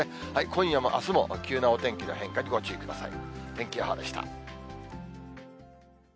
今夜もあすも、急なお天気の変化にご注意ください。